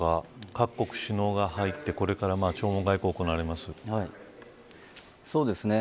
各国首脳が入ってこれから弔問外交行われます。